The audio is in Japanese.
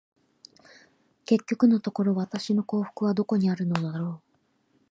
結局のところ、私の幸福はどこにあるのだろう。